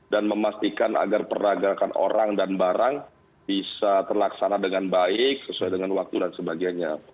dan memastikan agar peragakan orang dan barang bisa terlaksana dengan baik sesuai dengan waktu dan sebagainya